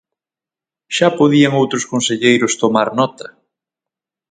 ¡Xa podían outros conselleiros tomar nota!